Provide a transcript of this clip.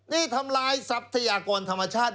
นี่ทำลายทรัพยากรธรรมชาติ